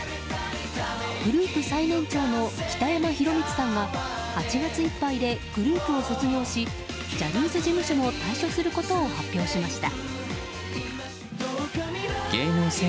グループ最年長の北山宏光さんが８月いっぱいでグループを卒業しジャニーズ事務所も退所することを発表しました。